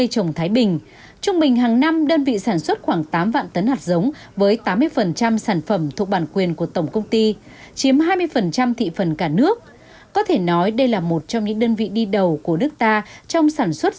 trong giai đoạn hai nghìn một mươi hai nghìn một mươi tám gần một giống cây trồng vật nuôi mới được đưa vào sản xuất